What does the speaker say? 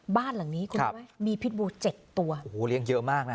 บ้านหลังนี้ครับมีพิษบู๗ตัวโอ้โหเรียงเยอะมากนะ